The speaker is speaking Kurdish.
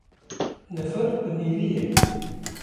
Nifir bi nivî ye